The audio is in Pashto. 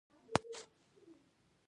هغې د زړه له کومې د غزل ستاینه هم وکړه.